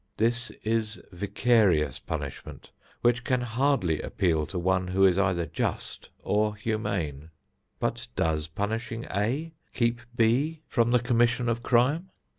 This is vicarious punishment which can hardly appeal to one who is either just or humane. But does punishing A keep B from the commission of crime?